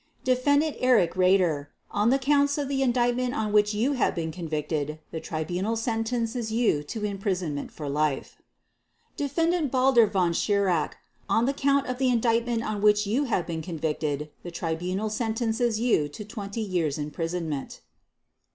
"Defendant Erich Raeder, on the Counts of the indictment on which you have been convicted, the Tribunal sentences you to imprisonment for life. "Defendant Baldur Von Schirach, on the Count of the Indictment on which you have been convicted, the Tribunal sentences you to 20 years' imprisonment.